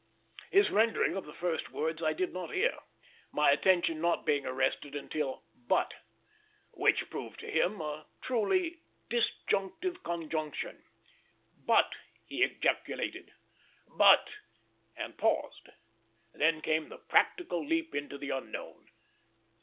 His rendering of the first words I did not hear, my attention not being arrested until "but," which proved to him a truly disjunctive conjunction. "But!" he ejaculated "but!" and paused. Then came the "practical" leap into the unknown.